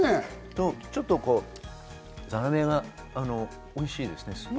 ちょっとザラメがおいしいですね。